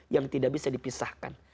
yang tidak bisa dipisahkan